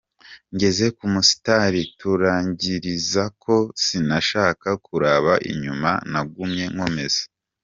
"Ngeze ku musitari turangirizako, sinashaka kuraba inyuma nagumye nkomeza.